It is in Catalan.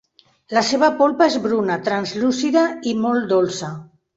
La seva polpa és bruna, translúcida i molt dolça.